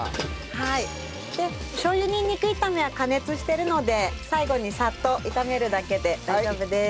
しょう油にんにく炒めは加熱してるので最後にサッと炒めるだけで大丈夫です。